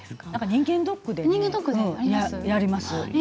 人間ドックでやります。